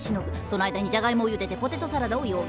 その間にジャガイモをゆでてポテトサラダを用意。